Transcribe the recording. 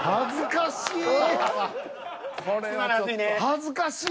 恥ずかしい。